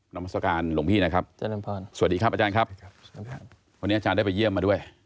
น้องพระศักดิ์การหลงพี่นะครับสวัสดีครับอาจารย์ครับวันนี้อาจารย์ได้ไปเยี่ยมมาด้วย